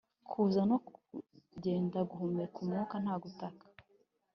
kuza no kugenda, guhumeka umwuka, nta gutaka.